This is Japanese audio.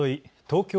東京